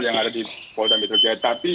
yang ada di polda mitrujaya tapi